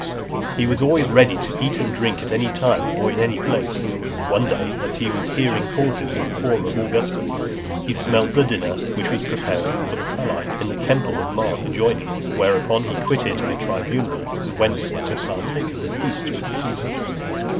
XXXIII. He was always ready to eat and drink at any time or in any place. One day, as he was hearing causes in the Forum of Augustus, he smelt the dinner which was preparing for the Salii , in the temple of Mars adjoining, whereupon he quitted (324) the tribunal, and went to partake of the feast with the priests.